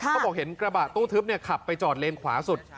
เขาบอกเห็นกระบะตู้ทึบขับไปจอดเลนขวาสุด